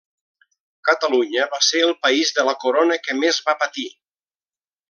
Catalunya va ser el país de la Corona que més va patir.